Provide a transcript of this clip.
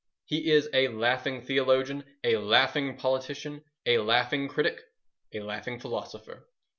He is a laughing theologian, a laughing politician, a laughing critic, a laughing philosopher.